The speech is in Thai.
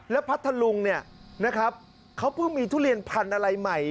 แล้วพระทะลุงเขาเพิ่งมีทุเรียนผันอะไรใหม่